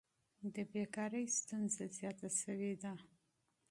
د بیکارۍ ستونزه زیاته شوې ده.